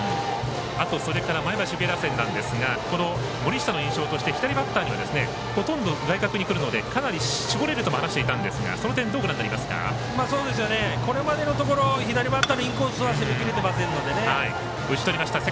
あと、前橋育英打線ですが森下の印象として左バッターにはほとんど外角にくるのでかなり絞れるとも話していたんですがこれまでのところ左バッターにインコースは攻めきれてませんのでね。